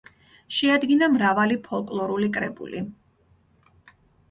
შეადგინა მრავალი ფოლკლორული კრებული.